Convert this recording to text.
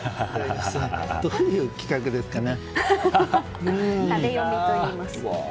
どういう企画ですかね。